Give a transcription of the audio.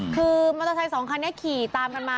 คือมอเตอร์ไซค์สองคันนี้ขี่ตามกันมา